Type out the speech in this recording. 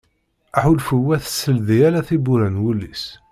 Aḥulfu ur as-teldi ara tiwwura n wul-is.